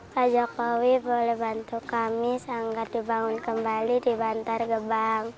pak jokowi boleh bantu kami sanggar dibangun kembali di bantar gebang